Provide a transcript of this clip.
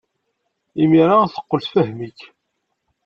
Imir-a, teqqel tfehhem-ik.